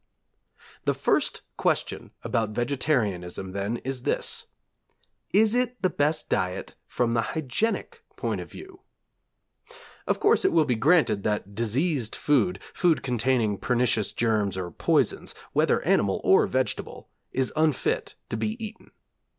The first question about vegetarianism, then, is this: Is it the best diet from the hygienic point of view? Of course it will be granted that diseased food, food containing pernicious germs or poisons, whether animal or vegetable, is unfit to be eaten.